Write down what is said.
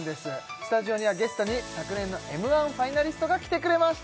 スタジオにはゲストに昨年のＭ−１ファイナリストが来てくれました